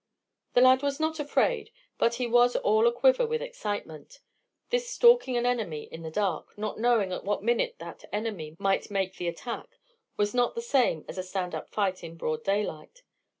The lad was not afraid, but he was all a quiver with excitement. This stalking an enemy in the dark, not knowing at what minute that enemy might make the attack, was not the same as a stand up fight in broad daylight.